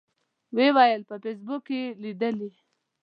و یې ویل په فیسبوک کې یې لیدلي.